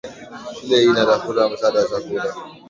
Shule hii inatafuta msaada wa chakula.